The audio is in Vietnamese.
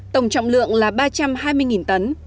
tổng trọng lượng là ba trăm hai mươi tấn